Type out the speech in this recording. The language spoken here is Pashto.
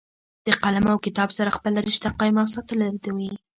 د قلم او کتاب سره خپله رشته قائم اوساتله دوي